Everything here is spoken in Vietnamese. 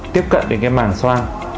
tiếp cận đến cái màng xoang